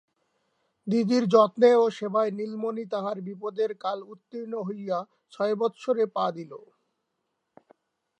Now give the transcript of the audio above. দিদির যত্নে ও সেবায় নীলমণি তাহার বিপদের কাল উত্তীর্ণ হইয়া ছয় বৎসরে পা দিল।